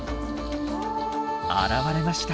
現れました。